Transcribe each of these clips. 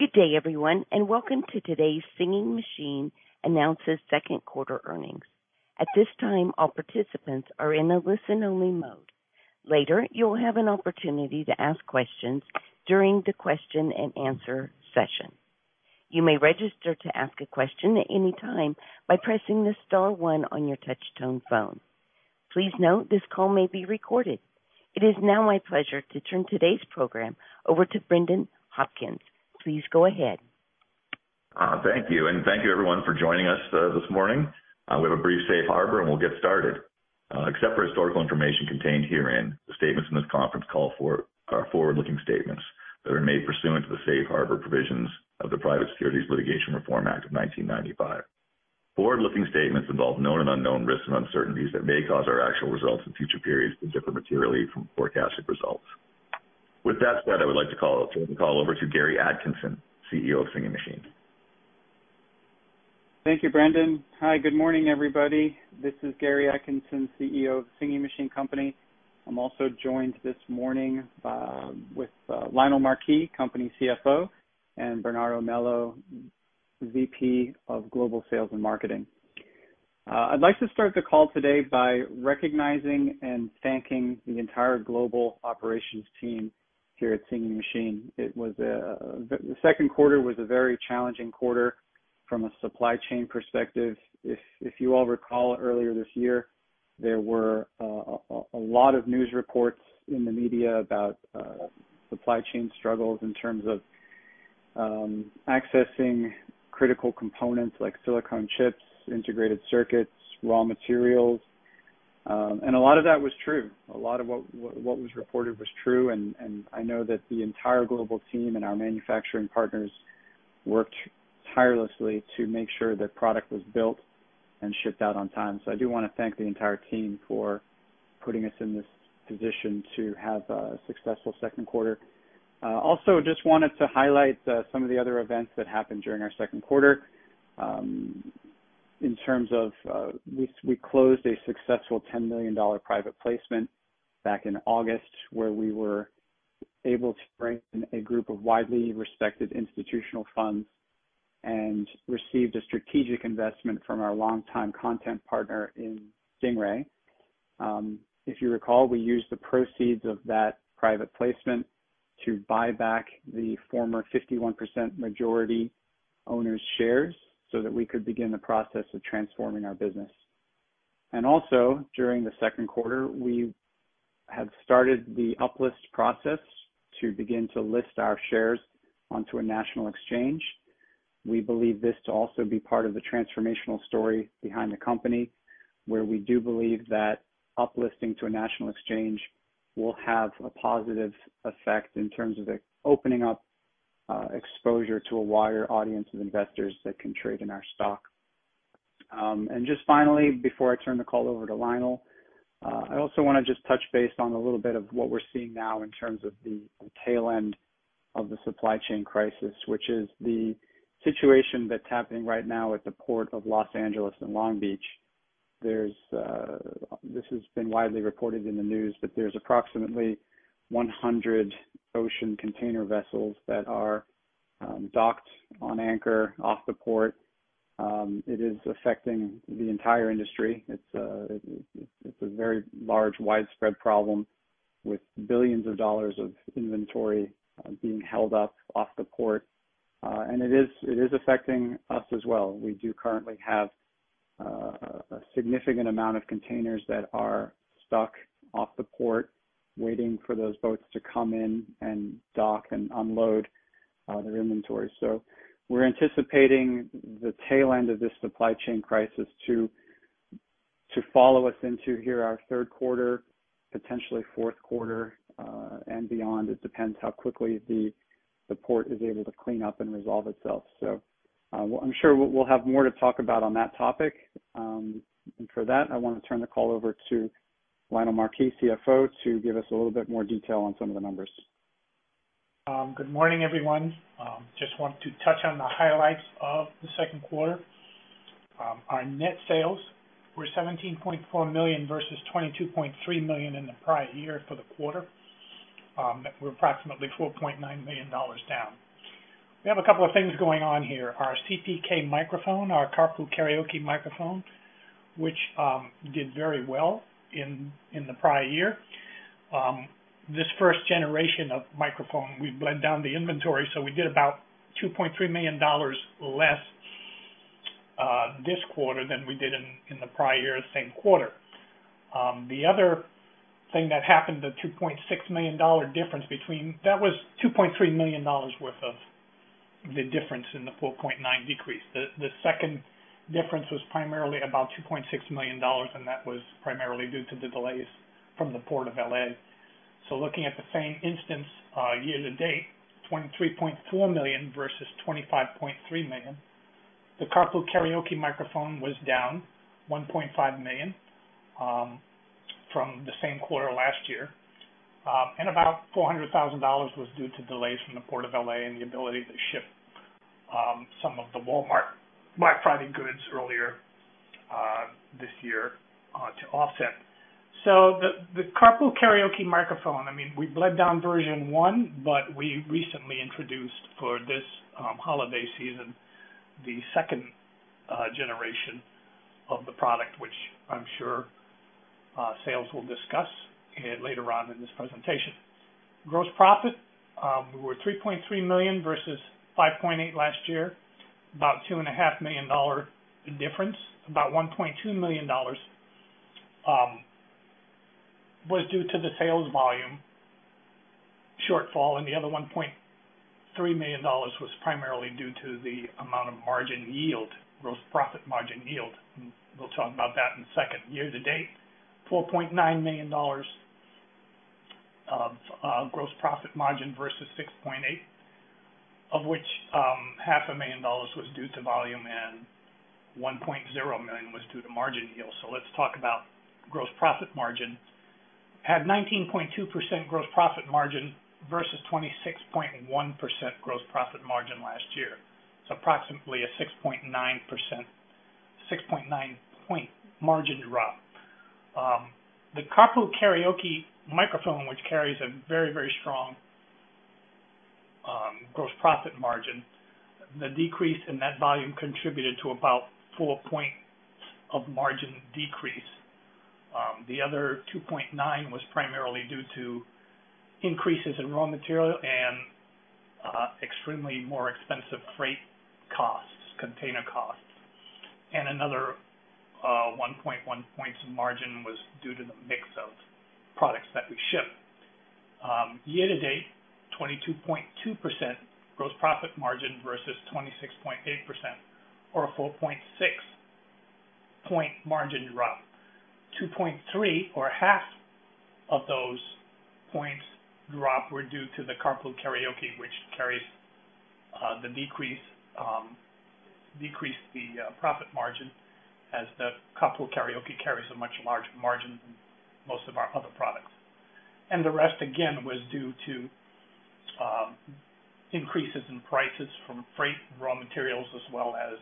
Good day, everyone, and welcome to today's Singing Machine Announces Second Quarter Earnings. At this time, all participants are in a listen-only mode. Later, you will have an opportunity to ask questions during the question-and-answer session. You may register to ask a question at any time by pressing the *1 on your touch-tone phone. Please note this call may be recorded. It is now my pleasure to turn today's program over to Brendan Hopkins. Please go ahead. Thank you. Thank you everyone for joining us this morning. We have a brief safe harbor, and we'll get started. Except for historical information contained herein, the statements in this conference call are forward-looking statements that are made pursuant to the safe harbor provisions of the Private Securities Litigation Reform Act of 1995. Forward-looking statements involve known and unknown risks and uncertainties that may cause our actual results in future periods to differ materially from forecasted results. With that said, I would like to turn the call over to Gary Atkinson, CEO of Singing Machine. Thank you, Brendan. Hi, good morning, everybody. This is Gary Atkinson, CEO of The Singing Machine Company. I'm also joined this morning with Lionel Marquis, CFO, and Bernardo Melo, VP of Global Sales and Marketing. I'd like to start the call today by recognizing and thanking the entire global operations team here at Singing Machine. The second quarter was a very challenging quarter from a supply chain perspective. If you all recall earlier this year, there were a lot of news reports in the media about supply chain struggles in terms of accessing critical components like silicon chips, integrated circuits, raw materials. A lot of that was true. A lot of what was reported was true. I know that the entire global team and our manufacturing partners worked tirelessly to make sure that product was built and shipped out on time. I do wanna thank the entire team for putting us in this position to have a successful second quarter. I also just wanted to highlight some of the other events that happened during our second quarter, in terms of, we closed a successful $10 million private placement back in August, where we were able to strengthen a group of widely respected institutional funds and received a strategic investment from our longtime content partner in Stingray. If you recall, we used the proceeds of that private placement to buy back the former 51% majority owners' shares so that we could begin the process of transforming our business. Also, during the second quarter, we have started the up-list process to begin to list our shares onto a national exchange. We believe this to also be part of the transformational story behind the company, where we do believe that up-listing to a national exchange will have a positive effect in terms of opening up exposure to a wider audience of investors that can trade in our stock. Just finally, before I turn the call over to Lionel, I also wanna just touch base on a little bit of what we're seeing now in terms of the tail end of the supply chain crisis, which is the situation that's happening right now at the Port of Los Angeles and Long Beach. There's This has been widely reported in the news, but there's approximately 100 ocean container vessels that are docked on anchor off the port. It is affecting the entire industry. It's a very large widespread problem with $ billions of inventory being held up off the port. It is affecting us as well. We do currently have a significant amount of containers that are stuck off the port waiting for those boats to come in and dock and unload their inventory. We're anticipating the tail end of this supply chain crisis to follow us into here, our third quarter, potentially fourth quarter, and beyond. It depends how quickly the port is able to clean up and resolve itself. I'm sure we'll have more to talk about on that topic. For that, I wanna turn the call over to Lionel Marquis, CFO, to give us a little bit more detail on some of the numbers. Good morning, everyone. Just want to touch on the highlights of the second quarter. Our net sales were $17.4 million versus $22.3 million in the prior year for the quarter. We're approximately $4.9 million down. We have a couple of things going on here. Our CTK microphone, our Carpool Karaoke microphone, which did very well in the prior year. This first generation of microphone, we've bled down the inventory, so we did about $2.3 million less this quarter than we did in the prior year same quarter. The other thing that happened, the $2.6 million dollar difference. That was $2.3 million dollars worth of the difference in the $4.9 decrease. The second difference was primarily about $2.6 million, and that was primarily due to the delays from the Port of L.A. Looking at the same instance, year to date, $23.2 million versus $25.3 million. The Carpool Karaoke microphone was down $1.5 million from the same quarter last year. And about $400,000 was due to delays from the Port of L.A. and the ability to ship some of the Walmart Black Friday goods earlier this year to offset. The Carpool Karaoke microphone, I mean, we bled down version one, but we recently introduced for this holiday season the second generation of the product, which I'm sure sales will discuss later on in this presentation. Gross profit, we were $3.3 million versus $5.8 million last year, about two and a half million dollar difference. About $1.2 million was due to the sales volume shortfall, and the other $1.3 million was primarily due to the amount of margin yield, gross profit margin yield. We'll talk about that in a second. Year to date, $4.9 million of gross profit margin versus $6.8 million, of which half a million dollars was due to volume and $1.0 million was due to margin yield. Let's talk about gross profit margin. We had 19.2% gross profit margin versus 26.1% gross profit margin last year. Approximately a 6.9-point margin drop. The Carpool Karaoke microphone, which carries a very, very strong gross profit margin. The decrease in that volume contributed to about 4 points of margin decrease. The other 2.9 was primarily due to increases in raw material and extremely more expensive freight costs, container costs. Another 1.1 points of margin was due to the mix of products that we ship. Year to date, 22.2% gross profit margin versus 26.8% or a 4.6-point margin drop. 2.3, or half of those points drop, were due to the Carpool Karaoke, which decreased the profit margin as the Carpool Karaoke carries a much larger margin than most of our other products. The rest again was due to increases in prices from freight and raw materials, as well as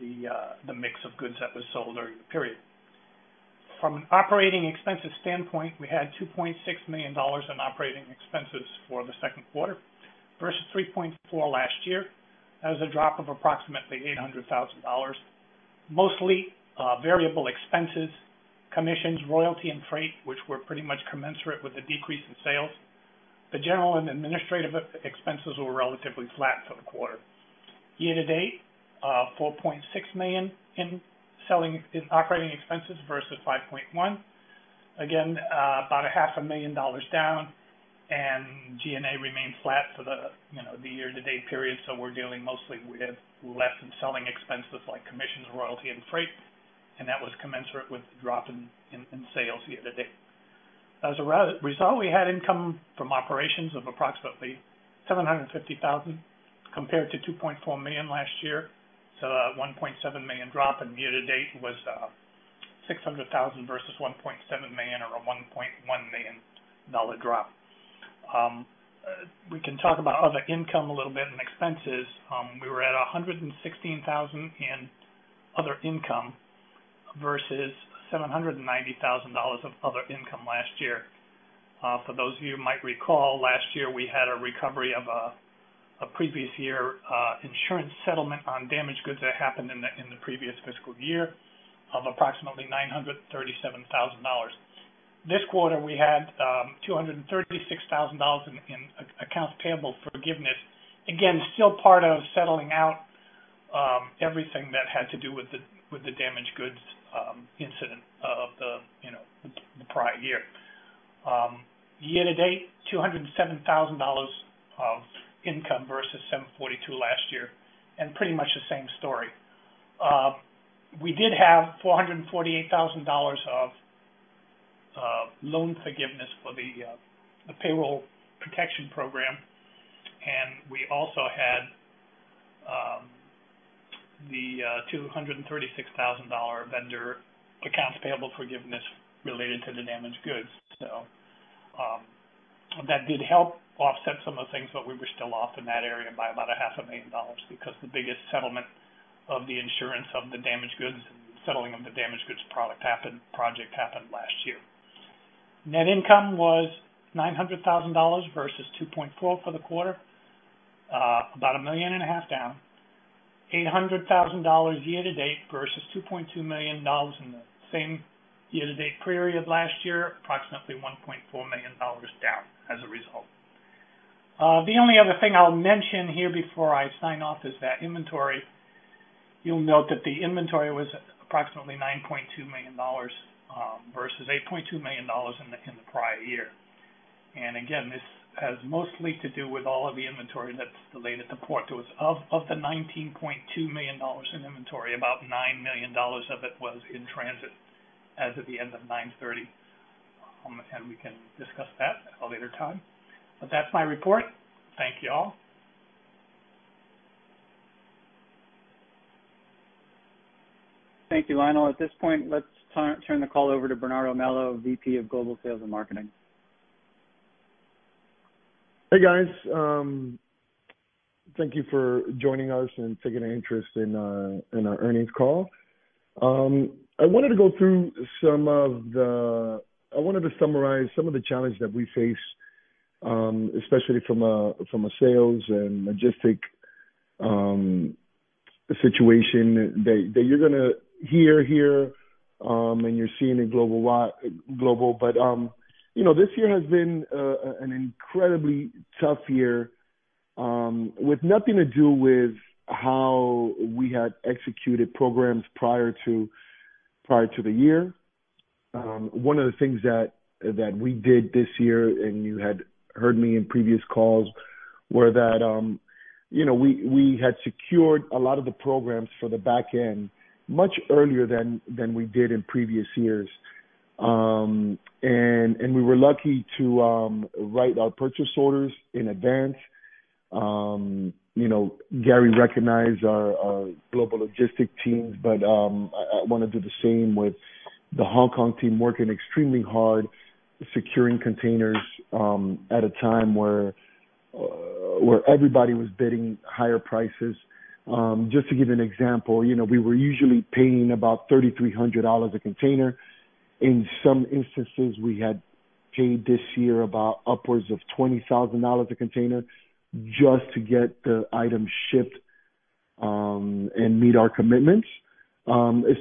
the mix of goods that was sold during the period. From an operating expenses standpoint, we had $2.6 million in operating expenses for the second quarter versus $3.4 million last year. That was a drop of approximately $800,000. Mostly variable expenses, commissions, royalty, and freight, which were pretty much commensurate with the decrease in sales. The general and administrative expenses were relatively flat for the quarter. Year to date, $4.6 million in selling, operating expenses versus $5.1 million. Again, about half a million dollars down and G&A remained flat for the, you know, the year to date period. We're dealing mostly with decreases in selling expenses like commissions, royalty and freight, and that was commensurate with the drop in sales year to date. As a result, we had income from operations of approximately $750,000 compared to $2.4 million last year. A $1.7 million drop, and year to date was $600,000 versus $1.7 million or a $1.1 million dollar drop. We can talk about other income a little bit and expenses. We were at $116,000 in other income versus $790,000 of other income last year. For those of you who might recall, last year, we had a recovery of a previous year insurance settlement on damaged goods that happened in the previous fiscal year of approximately $937,000. This quarter, we had $236,000 in accounts payable forgiveness. Again, still part of settling out everything that had to do with the damaged goods incident of the, you know, the prior year. Year to date, $207,000 of income versus $742,000 last year, and pretty much the same story. We did have $448,000 of loan forgiveness for the Payroll Protection Program. We also had the $236,000 vendor accounts payable forgiveness related to the damaged goods. That did help offset some of the things, but we were still off in that area by about a half a million dollars because the biggest settlement of the insurance of the damaged goods and settling of the damaged goods project happened last year. Net income was $900,000 versus $2.4 million for the quarter. About $1.5 million down. $800,000 year to date versus $2.2 million in the same year to date period last year, approximately $1.4 million down as a result. The only other thing I'll mention here before I sign off is that inventory. You'll note that the inventory was approximately $9.2 million versus $8.2 million in the prior year. This has mostly to do with all of the inventory that's delayed at the port. Of the $19.2 million in inventory, about $9 million of it was in transit as of the end of 9/30. We can discuss that at a later time. That's my report. Thank you all. Thank you, Lionel. At this point, let's turn the call over to Bernardo Melo, VP of Global Sales and Marketing. Hey guys, thank you for joining us and taking an interest in our earnings call. I wanted to summarize some of the challenges that we face, especially from a sales and logistics situation that you're gonna hear here, and you're seeing in global. You know, this year has been an incredibly tough year, with nothing to do with how we had executed programs prior to the year. One of the things that we did this year, and you had heard me in previous calls, were that, you know, we had secured a lot of the programs for the back end much earlier than we did in previous years. We were lucky to write our purchase orders in advance. You know, Gary recognized our global logistics teams, but I wanna do the same with the Hong Kong team working extremely hard securing containers at a time where everybody was bidding higher prices. Just to give you an example, you know, we were usually paying about $3,300 a container. In some instances, we had paid this year about upwards of $20,000 a container just to get the items shipped and meet our commitments. Q2,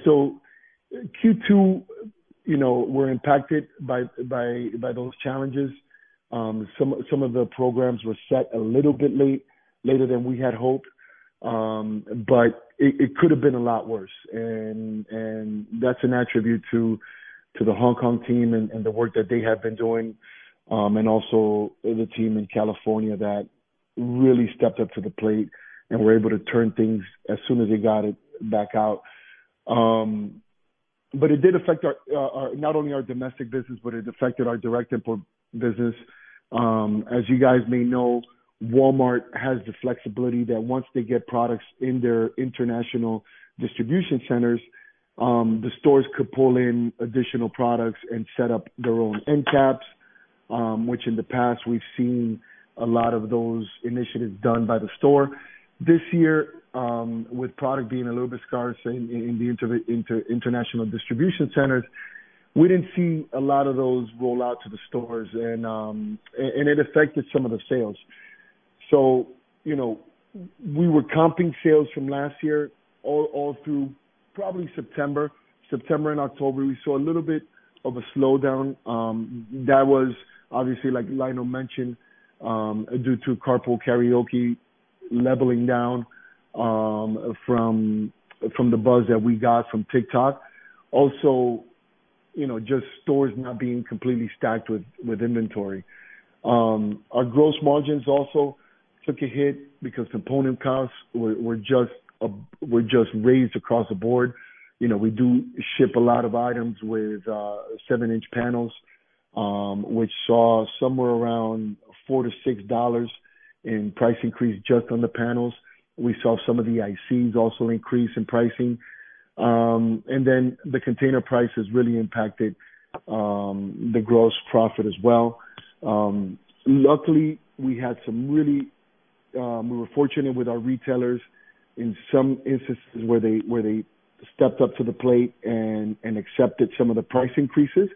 you know, were impacted by those challenges. Some of the programs were set a little bit late, later than we had hoped. It could have been a lot worse. That's an attribute to the Hong Kong team and the work that they have been doing, and also the team in California that really stepped up to the plate and were able to turn things as soon as they got it back out. It did affect our our not only our domestic business, but it affected our direct import business. As you guys may know, Walmart has the flexibility that once they get products in their international distribution centers, the stores could pull in additional products and set up their own end caps, which in the past we've seen a lot of those initiatives done by the store. This year, with product being a little bit scarce in the international distribution centers, we didn't see a lot of those roll out to the stores and it affected some of the sales. You know, we were comping sales from last year all through probably September. September and October, we saw a little bit of a slowdown that was obviously, like Lionel mentioned, due to Carpool Karaoke leveling down from the buzz that we got from TikTok. Also, you know, just stores not being completely stacked with inventory. Our gross margins also took a hit because component costs were just raised across the board. You know, we do ship a lot of items with seven-inch panels, which saw somewhere around $4-$6 in price increase just on the panels. We saw some of the ICs also increase in pricing. The container prices really impacted the gross profit as well. We were fortunate with our retailers in some instances where they stepped up to the plate and accepted some of the price increases.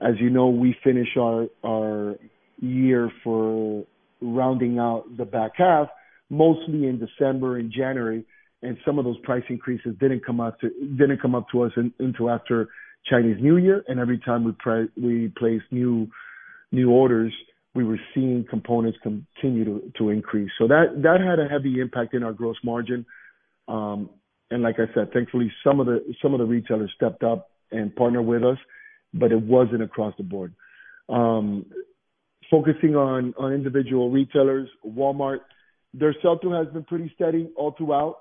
As you know, we finish our year for rounding out the back half, mostly in December and January, and some of those price increases didn't come up to us until after Chinese New Year. Every time we placed new orders, we were seeing components continue to increase. That had a heavy impact in our gross margin. Like I said, thankfully some of the retailers stepped up and partnered with us, but it wasn't across the board. Focusing on individual retailers, Walmart, their sell-through has been pretty steady all throughout.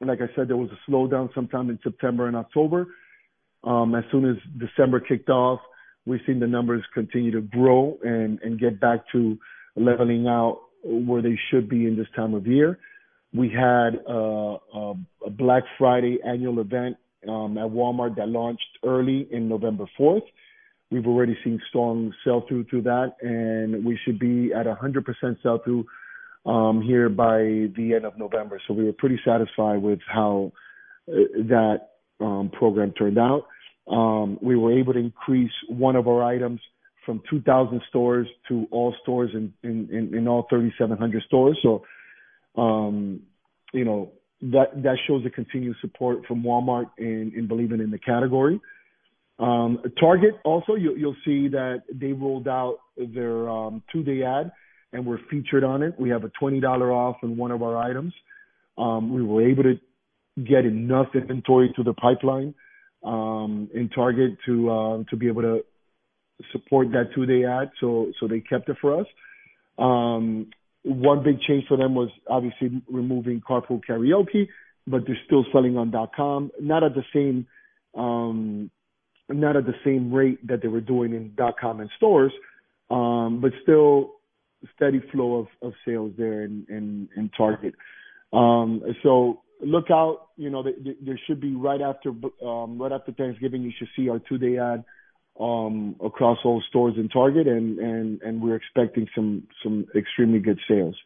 Like I said, there was a slowdown sometime in September and October. As soon as December kicked off, we've seen the numbers continue to grow and get back to leveling out where they should be in this time of year. We had a Black Friday annual event at Walmart that launched early in November 4. We've already seen strong sell-through to that, and we should be at 100% sell-through here by the end of November. We were pretty satisfied with how that program turned out. We were able to increase one of our items from 2,000 stores to all stores in all 3,700 stores. You know, that shows the continued support from Walmart in believing in the category. Target also, you'll see that they rolled out their two-day ad, and we're featured on it. We have a $20 off on one of our items. We were able to get enough inventory through the pipeline in Target to be able to support that two-day ad. They kept it for us. One big change for them was obviously removing Carpool Karaoke, but they're still selling on dot-com. Not at the same rate that they were doing in dot-com and stores, but still steady flow of sales there in Target. Look out, you know, there should be right after Thanksgiving, you should see our two-day ad across all stores in Target and we're expecting some extremely good sales.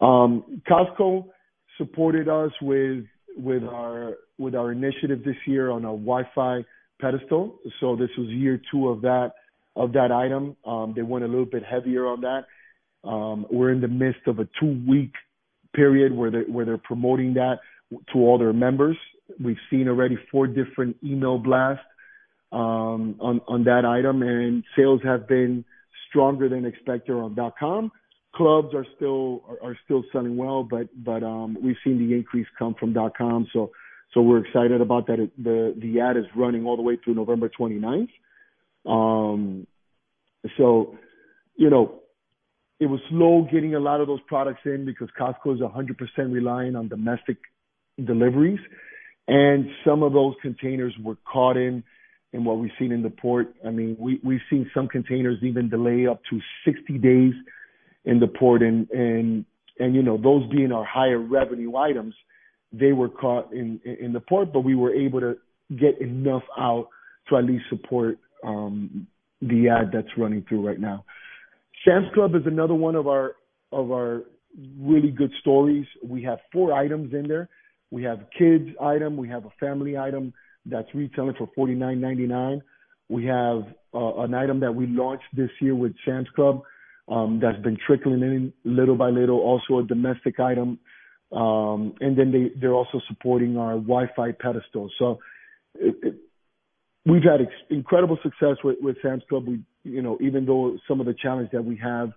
Costco supported us with our initiative this year on a Wi-Fi pedestal. This was year two of that item. They went a little bit heavier on that. We're in the midst of a two-week period where they're promoting that to all their members. We've seen already four different email blasts on that item, and sales have been stronger than expected on dot-com. Clubs are still selling well, but we've seen the increase come from .com. We're excited about that. The ad is running all the way through November 29th. You know, it was slow getting a lot of those products in because Costco is 100% reliant on domestic deliveries, and some of those containers were caught in what we've seen in the port. I mean, we've seen some containers even delay up to 60 days in the port, and you know, those being our higher revenue items, they were caught in the port, but we were able to get enough out to at least support the ad that's running through right now. Sam's Club is another one of our really good stories. We have four items in there. We have kids item, we have a family item that's retailing for $49.99. We have an item that we launched this year with Sam's Club, that's been trickling in little by little, also a domestic item. And then they're also supporting our Wi-Fi pedestal. We've had incredible success with Sam's Club. You know, even though some of the challenge that we have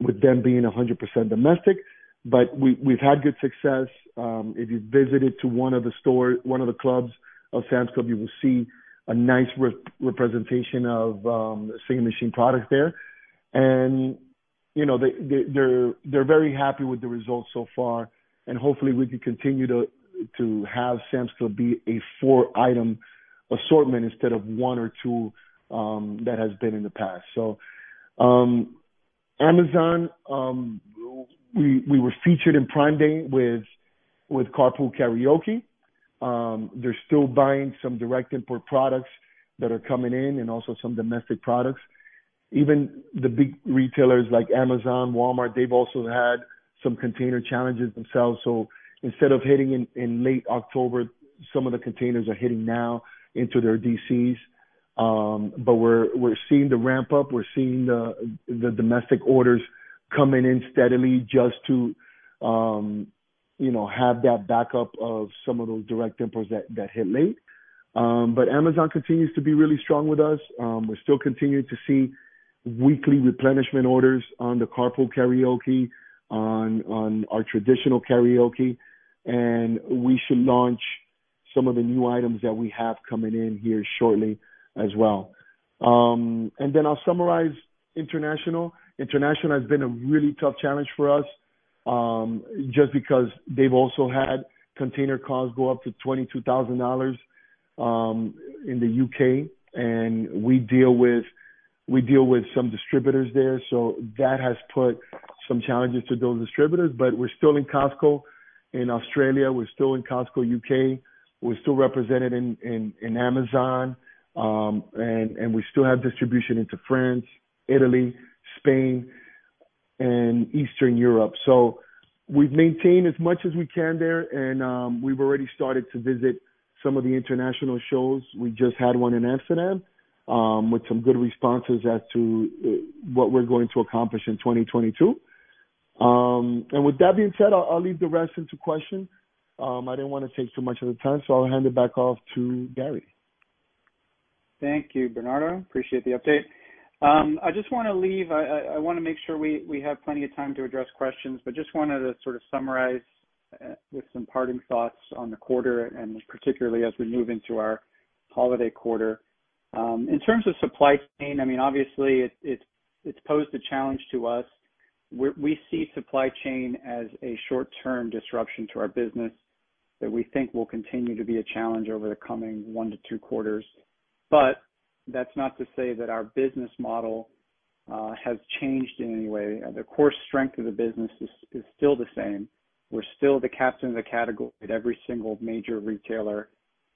with them being 100% domestic, but we've had good success. If you visit one of the stores, one of the clubs of Sam's Club, you will see a nice representation of Singing Machine products there. You know, they're very happy with the results so far, and hopefully we can continue to have Sam's Club be a four-item assortment instead of one or two that has been in the past. Amazon, we were featured in Prime Day with Carpool Karaoke. They're still buying some direct import products that are coming in and also some domestic products. Even the big retailers like Amazon, Walmart, they've also had some container challenges themselves. Instead of hitting in late October, some of the containers are hitting now into their DCs. We're seeing the ramp up. We're seeing the domestic orders coming in steadily just to you know, have that backup of some of those direct imports that hit late. Amazon continues to be really strong with us. We're still continuing to see weekly replenishment orders on the Carpool Karaoke on our traditional karaoke, and we should launch some of the new items that we have coming in here shortly as well. I'll summarize international. International has been a really tough challenge for us, just because they've also had container costs go up to $22,000 in the U.K. We deal with some distributors there, so that has put some challenges to those distributors. We're still in Costco in Australia, we're still in Costco U.K. We're still represented in Amazon, and we still have distribution into France, Italy, Spain, and Eastern Europe. We've maintained as much as we can there, and we've already started to visit some of the international shows. We just had one in Amsterdam with some good responses as to what we're going to accomplish in 2022. With that being said, I'll leave the rest to questions. I didn't wanna take too much of the time, so I'll hand it back over to Gary. Thank you, Bernardo. I appreciate the update. I just wanna make sure we have plenty of time to address questions, but just wanted to sort of summarize with some parting thoughts on the quarter and particularly as we move into our holiday quarter. In terms of supply chain, I mean obviously it's posed a challenge to us. We see supply chain as a short-term disruption to our business that we think will continue to be a challenge over the coming 1-2 quarters. That's not to say that our business model has changed in any way. The core strength of the business is still the same. We're still the captain of the category at every single major retailer.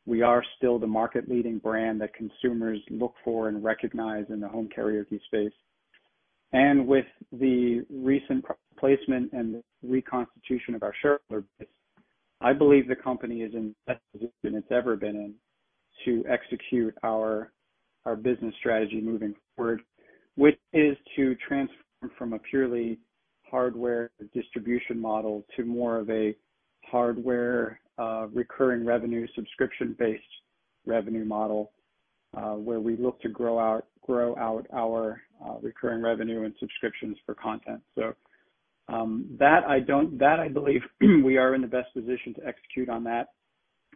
We are still the market leading brand that consumers look for and recognize in the home karaoke space. With the recent placement and reconstitution of our shareholder base, I believe the company is in the best position it's ever been in to execute our business strategy moving forward, which is to transform from a purely hardware distribution model to more of a hardware recurring revenue, subscription-based revenue model where we look to grow out our recurring revenue and subscriptions for content. I believe we are in the best position to execute on that,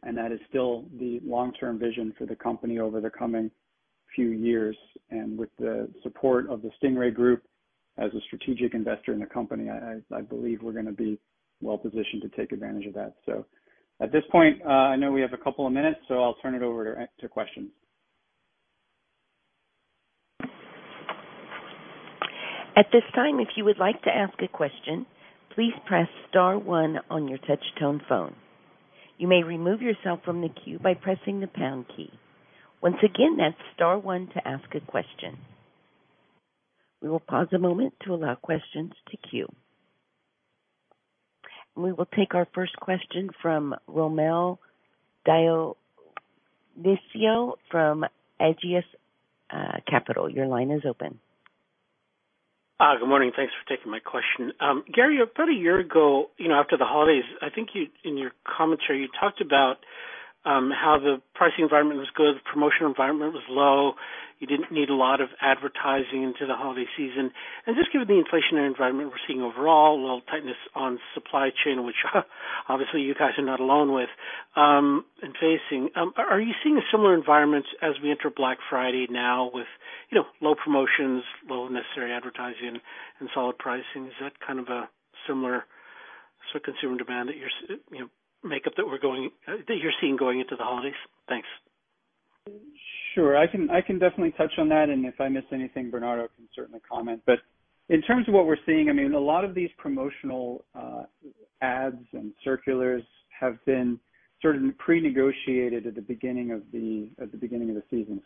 and that is still the long-term vision for the company over the coming few years. With the support of the Stingray Group as a strategic investor in the company, I believe we're gonna be well positioned to take advantage of that. At this point, I know we have a couple of minutes, so I'll turn it over to questions. At this time, if you would like to ask a question, please press *1 on your touch-tone phone, you may remove yourself from the que by pressing the # key. Once again, that's *1 to ask a question. We will pause a moment to allow question to que. We will take our first question from Rommel Dionisio from Aegis Capital. Your line is open. Good morning. Thanks for taking my question. Gary, about a year ago, you know, after the holidays, I think in your commentary, you talked about how the pricing environment was good, the promotional environment was low. You didn't need a lot of advertising into the holiday season. Just given the inflationary environment we're seeing overall, a little tightness on supply chain, which obviously you guys are not alone with in facing. Are you seeing a similar environment as we enter Black Friday now with, you know, low promotions, low necessary advertising and solid pricing? Is that kind of a similar sort of consumer demand that you're seeing going into the holidays? Thanks. Sure. I can definitely touch on that, and if I miss anything, Bernardo can certainly comment. In terms of what we're seeing, I mean, a lot of these promotional ads and circulars have been sort of prenegotiated at the beginning of the season.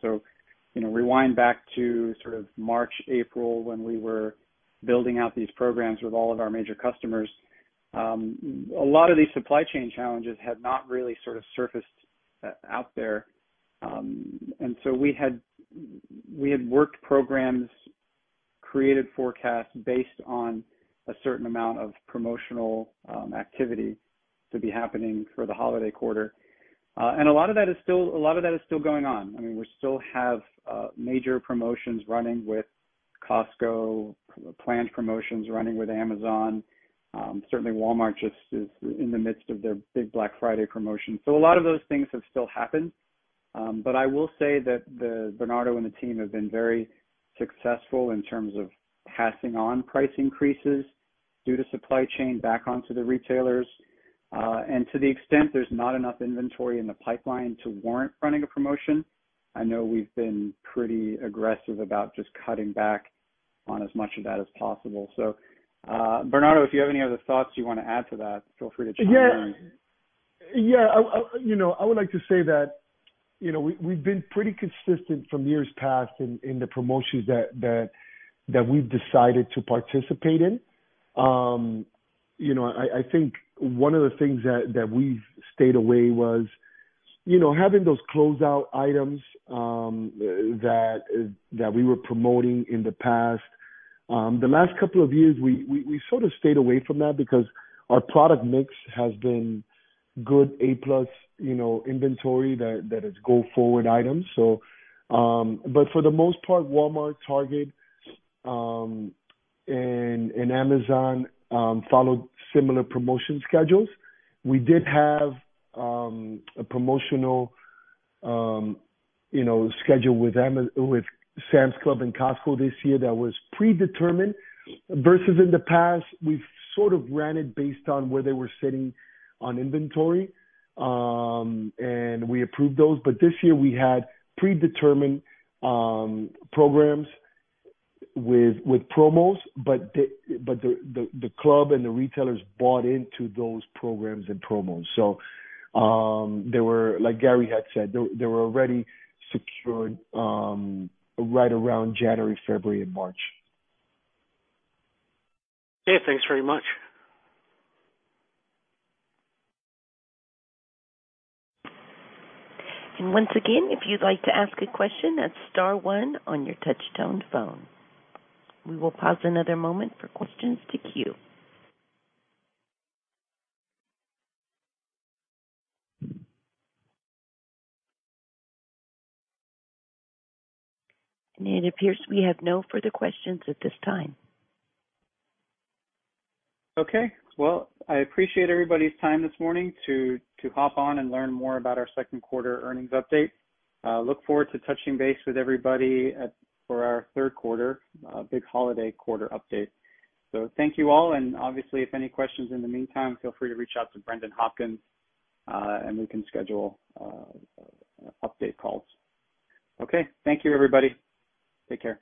You know, rewind back to sort of March, April when we were building out these programs with all of our major customers. A lot of these supply chain challenges had not really sort of surfaced out there. We had worked programs, created forecasts based on a certain amount of promotional activity to be happening for the holiday quarter. A lot of that is still going on. I mean, we still have major promotions running with Costco, planned promotions running with Amazon. Certainly Walmart just is in the midst of their big Black Friday promotion. A lot of those things have still happened. I will say that Bernardo and the team have been very successful in terms of passing on price increases due to supply chain back onto the retailers. To the extent there's not enough inventory in the pipeline to warrant running a promotion, I know we've been pretty aggressive about just cutting back on as much of that as possible. Bernardo, if you have any other thoughts you wanna add to that, feel free to chime in. Yeah, you know, I would like to say that, you know, we've been pretty consistent from years past in the promotions that we've decided to participate in. You know, I think one of the things that we've stayed away from was having those closeout items that we were promoting in the past. The last couple of years, we sort of stayed away from that because our product mix has been good A-plus, you know, inventory that is go-forward items. For the most part, Walmart, Target, and Amazon followed similar promotion schedules. We did have a promotional, you know, schedule with Sam's Club and Costco this year that was predetermined. Versus in the past, we've sort of ran it based on where they were sitting on inventory, and we approved those. This year we had predetermined programs with promos, but the club and the retailers bought into those programs and promos. They were, like Gary had said, already secured right around January, February and March. Okay. Thanks very much. Once again, if you'd like to ask a question, that's *1 on your touch-tone phone. We will pause another moment for questions to queue. It appears we have no further questions at this time. Well, I appreciate everybody's time this morning to hop on and learn more about our second quarter earnings update. I look forward to touching base with everybody for our third quarter, big holiday quarter update. Thank you all, and obviously, if any questions in the meantime, feel free to reach out to Brendan Hopkins, and we can schedule update calls. Okay. Thank you, everybody. Take care.